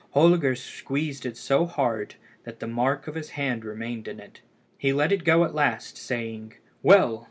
Holger squeezed it so hard, that the mark of his hand remained in it. He let it go at last, saying "Well!